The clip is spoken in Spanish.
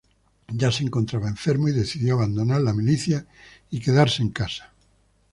Ya se encontraba enfermo y decidió abandonar la milicia y quedarse en casa.